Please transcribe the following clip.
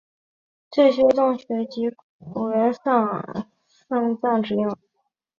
这些洞穴即古人丧葬之用。